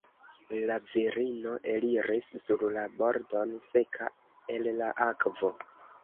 La virino eliris sur la bordon seka el la akvo.